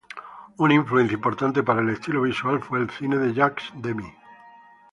Una influencia importante para el estilo visual fue el cine de Jacques Demy.